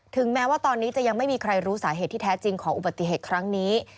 แม้ว่าตอนนี้จะยังไม่มีใครรู้สาเหตุที่แท้จริงของอุบัติเหตุครั้งนี้